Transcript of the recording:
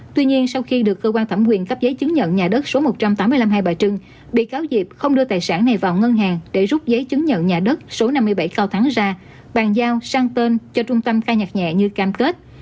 tuy nhiên sau khi được cơ quan thẩm quyền cấp giấy chứng nhận nhà đất số một trăm tám mươi năm hai bà trưng bị cáo diệp không đưa tài sản này vào ngân hàng để rút giấy chứng nhận nhà đất số năm mươi bảy cao thắng ra bàn giao sang tên cho trung tâm khai nhạc nhẹ như cam kết